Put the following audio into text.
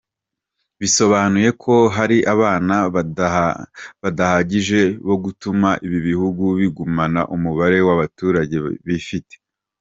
Bisobanuye ko hari abana badahagije bo gutuma ibi bihugu bigumana umubare w'abaturage bifite.